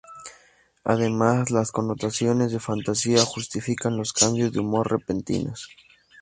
Además, las connotaciones de "fantasía" justifican los cambios de humor repentinos.